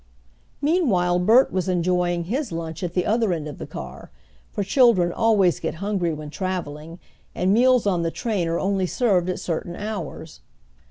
Meanwhile Bert was enjoying his lunch at the other end of the car, for children always get hungry when traveling, and meals on the train are only served at certain hours.